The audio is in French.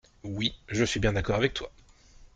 Oui, je suis bien d'accord avec toi.